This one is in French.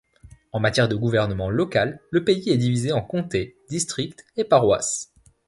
En matière de gouvernement local, le pays est divisé en comtés, districts et paroisses.